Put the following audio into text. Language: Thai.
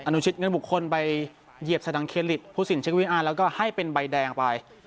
นุชิตเงินบุคคลไปเหยียบสดังเคริตผู้สินเช็ควีอาร์แล้วก็ให้เป็นใบแดงไป